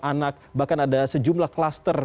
anak bahkan ada sejumlah kluster